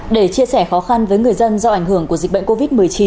để chia sẻ khó khăn với người dân do ảnh hưởng của dịch bệnh covid một mươi chín